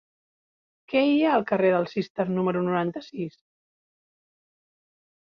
Què hi ha al carrer del Cister número noranta-sis?